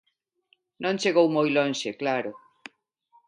Non chegou moi lonxe, claro.